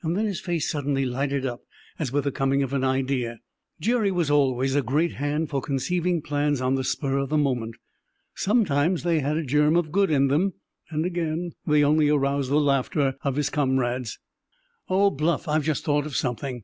Then his face suddenly lighted up, as with the coming of an idea. Jerry was always a great hand for conceiving plans on the spur of the moment. Sometimes they had a germ of good in them, and again they only aroused the laughter of his comrades. "Oh, Bluff, I've just thought of something!"